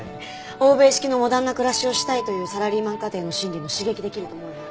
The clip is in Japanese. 欧米式のモダンな暮らしをしたいというサラリーマン家庭の心理も刺激できると思わない？